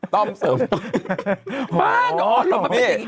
ต้อมเสริมยนต์